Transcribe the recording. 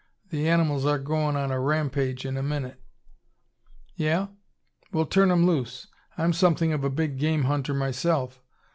The animals are goin' on a rampage in a minute." "Yeah? Well, turn 'em loose. I'm something of a big game hunter myself.